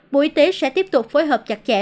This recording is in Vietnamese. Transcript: bộ y tế sẽ tiếp tục phối hợp chặt chẽ